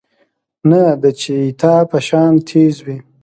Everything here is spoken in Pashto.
نۀ د چيتا پۀ شان تېز وي